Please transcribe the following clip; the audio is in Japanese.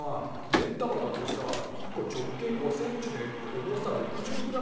目ん玉だってさ１個直径５センチで重さ６０グラムもあんだぜ。